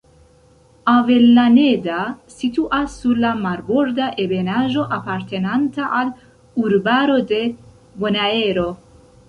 Avellaneda situas sur la marborda ebenaĵo apartenanta al urbaro de Bonaero.